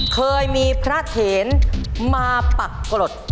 เคยมีพระเถนมาปักกรด